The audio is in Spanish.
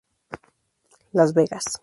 Las Vegas.